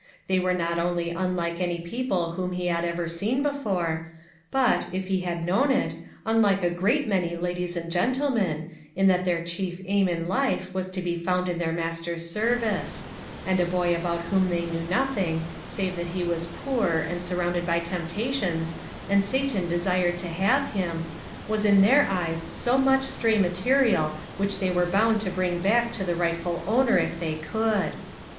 They were not only unlike any people whom he had ever seen before, READY TO TRY. 347 but, if he had known it, unlike a great many ladies and gentlemen, in that their chief aim in life was to be found in their Master's service ; and a boy about whom they knew nothing, save tli at he was poor, and surrounded by tempta tions, and Satan desired to have him, was in their eyes so much stray material which they were bound to bring back to the rightful owner if they could.